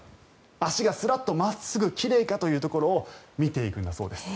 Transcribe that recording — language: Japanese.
足がスラッと真っすぐ奇麗かというところを見ていくんだそうです。